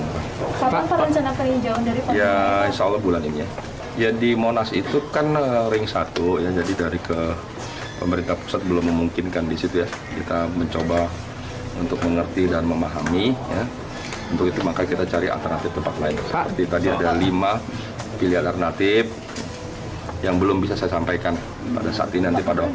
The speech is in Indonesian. bisa saya sampaikan pada saat ini nanti pada waktu ini akan saya sampaikan